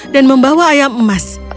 dan membawa ayam emas